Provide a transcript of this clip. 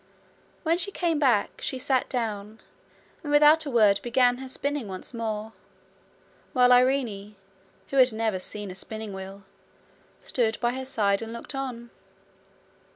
When she came back, she sat down and without a word began her spinning once more, while Irene, who had never seen a spinning wheel, stood by her side and looked on.